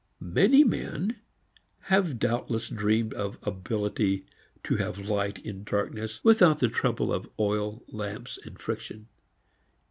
Many men have doubtless dreamed of ability to have light in darkness without the trouble of oil, lamps and friction.